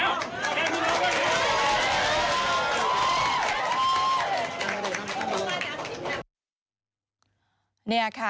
เอ้าแค่พี่สาธารณะก็ได้